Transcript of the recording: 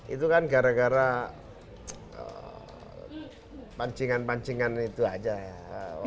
itu kan gara gara pancingan pancingan itu aja ya